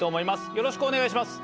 よろしくお願いします。